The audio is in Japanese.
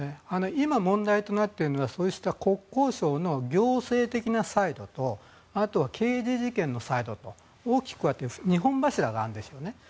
今、問題となっているのはそうした国交省の行政的なサイドと刑事事件のサイドと大きく２本柱があるんですよね。